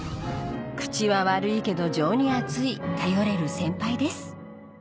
口は悪いけど情に厚い頼れる先輩です